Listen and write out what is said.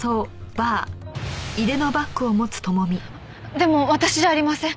でも私じゃありません！